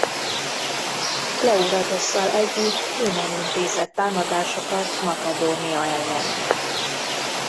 Pleuratosszal együtt innen intézett támadásokat Makedónia ellen.